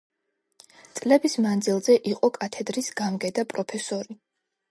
წლების მანძილზე იყო კათედრის გამგე და პროფესორი.